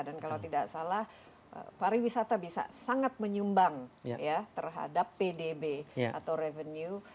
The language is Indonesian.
dan kalau tidak salah pariwisata bisa sangat menyumbang terhadap pdb atau revenue